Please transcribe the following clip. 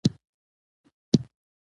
که د مشرانو خبره ومنو نو نه پښیمانیږو.